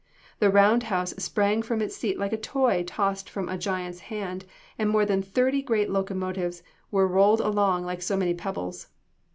The round house sprang from its seat like a toy tossed from a giant's hand, and more than thirty great locomotives were rolled along "like so many pebbles."